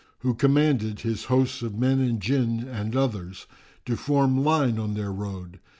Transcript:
who commanded his hosts of men and Jinn and others[FN#362] to form line on their road.